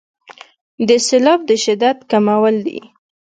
د سیلاب د شدت کمول دي.